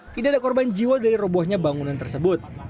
tidak ada korban jiwa dari robohnya bangunan tersebut